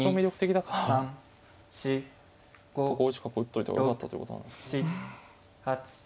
５一角を打っといた方がよかったということなんですかね。